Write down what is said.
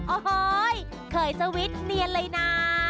โอ้โหเคยสวิตช์เนียนเลยนะ